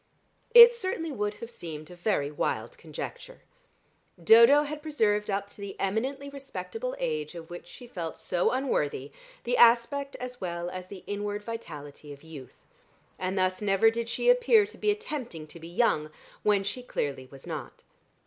It certainly would have seemed a very wild conjecture. Dodo had preserved up to the eminently respectable age of which she felt so unworthy, the aspect as well as the inward vitality of youth, and thus never did she appear to be attempting to be young, when she clearly was not.